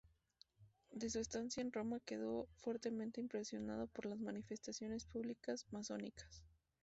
De su estancia en Roma quedó fuertemente impresionado por las manifestaciones públicas masónicas.